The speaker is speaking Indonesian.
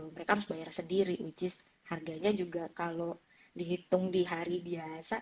mereka harus bayar sendiri which is harganya juga kalau dihitung di hari biasa